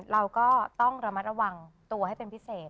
เราก็ต้องระมัดระวังตัวให้เป็นพิเศษ